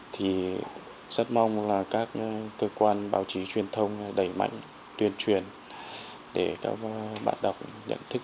thì rất mong là các cơ quan báo chí truyền thông đẩy mạnh tuyên truyền để các bạn đọc nhận thức